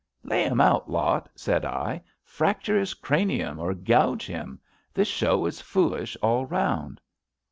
* Lay him out, Lot,' said I; * fracture his cranium or gouge him. This show is foolish all round.'